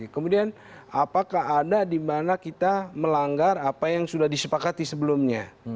kemudian apakah ada di mana kita melanggar apa yang sudah disepakati sebelumnya